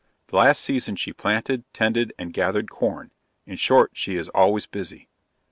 Last season she planted, tended and gathered corn in short she is always busy.